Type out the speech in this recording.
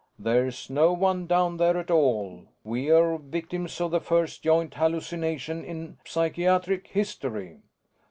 There's no one down there at all we're victims of the first joint hallucination in psychiatric history."